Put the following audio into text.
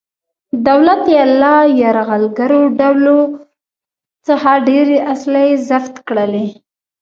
دولت له یرغلګرو ډولو څخه ډېرې اصلحې ضبط کړلې.